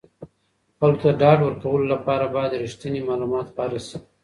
خلکو ته د ډاډ ورکولو لپاره باید رښتیني معلومات خپاره شي.